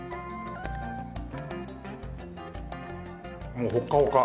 もうほっかほか。